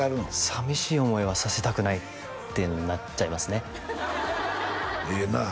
寂しい思いはさせたくないってなっちゃいますねええなあ